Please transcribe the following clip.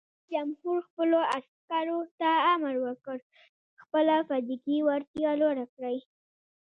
رئیس جمهور خپلو عسکرو ته امر وکړ؛ خپله فزیکي وړتیا لوړه کړئ!